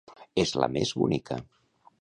És la més bonica.